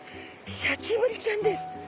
シャチブリちゃんです。